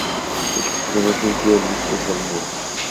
El primer sencillo del disco es "El Muro".